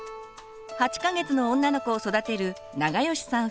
８か月の女の子を育てる永吉さん